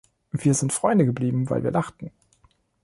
Wir sind Freunde geblieben, weil wir lachten.